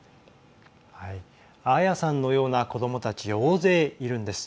アーヤさんのような子どもたち大勢いるんです。